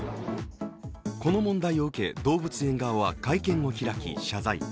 この問題を受け、動物園側は会見を開き、謝罪。